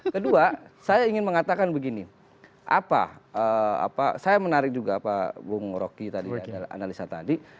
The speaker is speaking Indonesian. kedua saya ingin mengatakan begini apa saya menarik juga pak bung rocky tadi analisa tadi